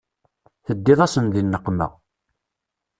Teddiḍ-asen di nneqma.